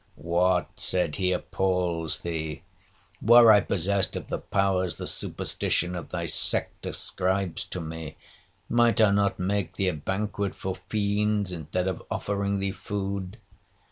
—'What,' said he, 'appals thee? Were I possessed of the powers the superstition of thy sect ascribes to me, might I not make thee a banquet for fiends, instead of offering thee food?